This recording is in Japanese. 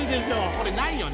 これないよね